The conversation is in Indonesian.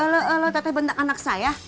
lo lo teteh benda anak saya